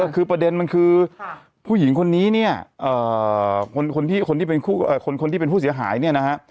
คือประเด็นมันคือผู้หญิงคนนี้เนี่ยคนที่เป็นคนที่เป็นผู้เสียหายเนี่ยนะฮะ